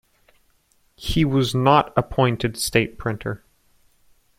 He was not appointed State Printer.